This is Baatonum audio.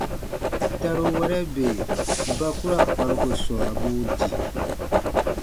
Taruwɛrɛ bè ba ku ra kparuko swãabuu di.